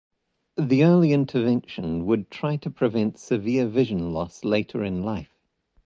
The early intervention would try to prevent severe vision loss later in life.